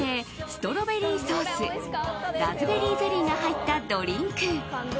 ストロベリーソースラズベリーゼリーが入ったドリンク。